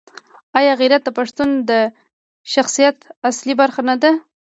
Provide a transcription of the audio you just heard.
آیا غیرت د پښتون د شخصیت اصلي برخه نه ده؟